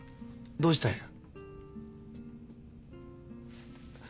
どないしたんや？